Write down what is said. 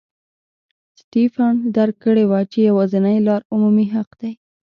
سټېفن درک کړې وه چې یوازینۍ لار عمومي حق دی.